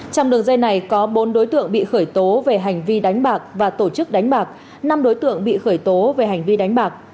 trong đường dây này có bốn đối tượng bị khởi tố về hành vi đánh bạc và tổ chức đánh bạc năm đối tượng bị khởi tố về hành vi đánh bạc